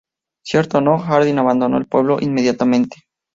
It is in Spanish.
Cierto o no, Hardin abandonó el pueblo inmediatamente.